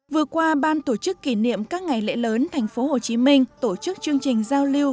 vừa qua ban tổ chức kỷ niệm các ngày lễ lớn tp hcm tổ chức chương trình giao lưu